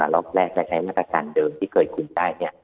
ละลอบแลกแต่ไหนธการเดิมที่เคยคุ้มได้เนี่ย